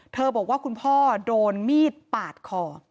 บอกว่าคุณพ่อโดนมีดปาดคอ